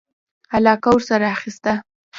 علاقه ورسره اخیسته.